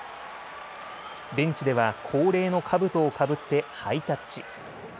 ベンチでは恒例のかぶとをかぶってハイタッチ。